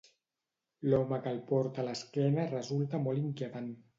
L'home que el porta a l'esquena resulta molt inquietant.